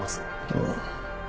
ああ。